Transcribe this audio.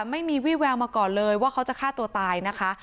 ไม่มีวี่แววมาก่อนเลยว่าเขาจะฆ่าตัวตายนะคะ